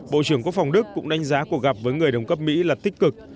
bộ trưởng quốc phòng đức cũng đánh giá cuộc gặp với người đồng cấp mỹ là tích cực